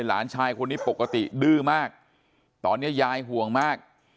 หลานชายคนนี้ปกติดื้อมากตอนนี้ยายห่วงมาก